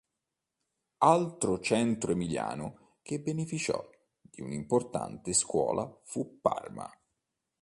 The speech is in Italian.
L'altro centro emiliano che beneficiò di un'importante scuola fu Parma.